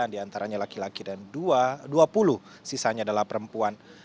lima puluh sembilan diantaranya laki laki dan dua puluh sisanya adalah perempuan